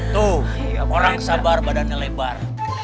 tuh orang sabar badannya lebar